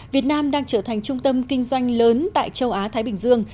việt nam đang trở thành trung tâm kinh doanh lớn tại châu á thái bình dương